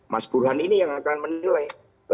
mas burhan ini yang akan menilai